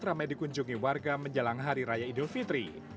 ramai dikunjungi warga menjelang hari raya idul fitri